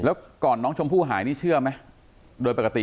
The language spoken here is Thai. แล้วก่อนน้องชมพู่หายนี่เชื่อไหมโดยปกติ